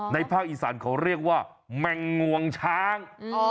ภาคอีสานเขาเรียกว่าแมงงวงช้าง